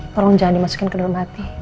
tolong jangan dimasukin ke dalam hati